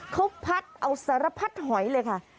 ทุกพัฒน์เอาสารพัฒน์หอยเลยค่ะ